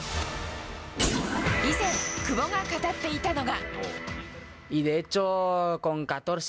以前、久保が語っていたのが。